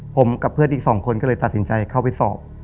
ผมกับเพื่อนอีก๒คนก็เลยตัดสินใจเข้าไปสอบ